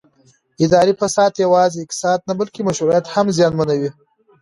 اداري فساد یوازې اقتصاد نه بلکې مشروعیت هم زیانمنوي